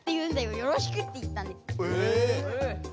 よろしくって言ったんです。